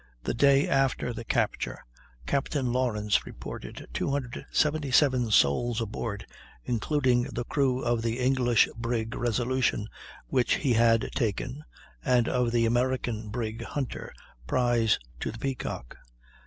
The day after the capture Captain Lawrence reported 277 souls aboard, including the crew of the English brig Resolution which he had taken, and of the American brig Hunter, prize to the Peacock.